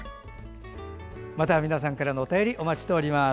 また皆さんからのお便りお待ちしております。